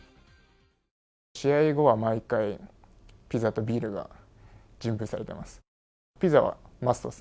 試合後は毎回、ピザとビールが準備されてます。